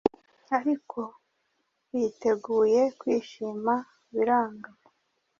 ariko biteguye kwishima biranga